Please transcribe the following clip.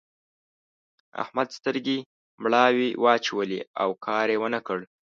احمد سترګې مړې واچولې؛ او کار يې و نه کړ.